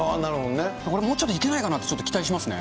これもうちょっといけないかなって、ちょっと期待しますね。